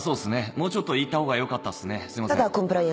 もうちょっといった方がよかったっすね。